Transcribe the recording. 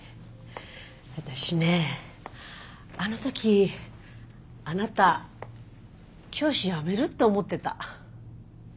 私ねあの時あなた教師辞めるって思ってた。